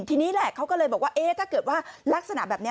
ทีนี้แหละเขาก็เลยบอกว่าเอ๊ะถ้าเกิดว่ารักษณะแบบนี้